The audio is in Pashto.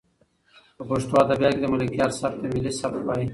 په پښتو ادبیاتو کې د ملکیار سبک ته ملي سبک وایي.